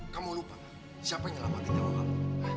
kamu lupa siapa yang menyelamatkan nyawa kamu